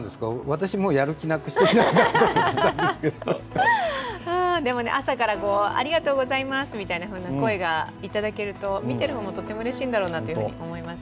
私、もうやる気なくして朝からありがとうございますみたいな声がいただけると見ている方もとってもうれしいんだろうなと思います。